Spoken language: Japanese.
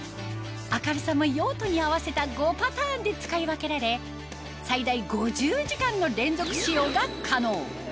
明るさも用途に合わせた５パターンで使い分けられ最大５０時間の連続使用が可能